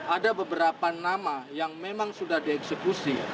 ada beberapa nama yang memang sudah dieksekusi